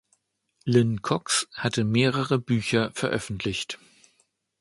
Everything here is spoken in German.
Lynne Cox hat mehrere Bücher veröffentlicht.